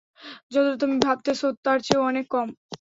যতটা তুমি ভাবতেছ, তার চেয়েও অনেক কম।